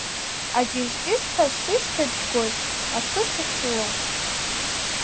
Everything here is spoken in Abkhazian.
Аҷыжь-ҷыжьҳәа сышьҭабжь гоит, асы сахьылоу.